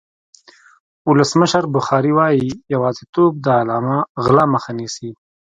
ولسمشر محمد بخاري وایي یوازېتوب د غلا مخه نیسي.